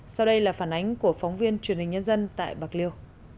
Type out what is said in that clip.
sau đây là phản ánh của phóng viên truyền hình nhân dân tại bạc liêu